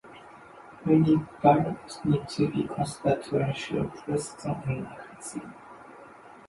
Many variables need to be considered to ensure precision and accuracy.